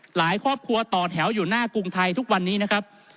หลายครอบครัวต่อแถวอยู่หน้ากรุงไทยทุกวันนี้นะครับ